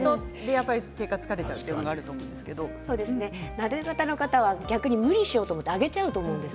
なで肩の方は逆に無理をしようと思って上げちゃうと思います。